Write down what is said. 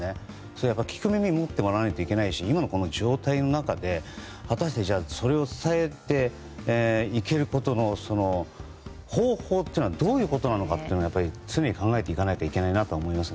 それは聞く耳を持ってもらわないといけないし今の状態の中で果たしてそれを伝えていけることの方法というのはどういうことなのかというのを常に考えていかないといけないなと思います。